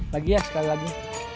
lagi ya sekali lagi